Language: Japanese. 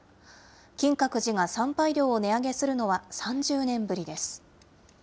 金閣寺が参拝料を値上げするのは、３０年ぶりです。